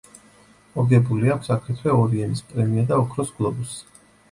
მოგებული აქვს აგრეთვე ორი ემის პრემია და ოქროს გლობუსი.